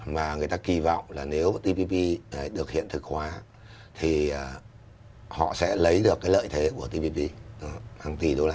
mà người ta kỳ vọng là nếu tpp được hiện thực hóa thì họ sẽ lấy được cái lợi thế của tpp hàng tỷ usd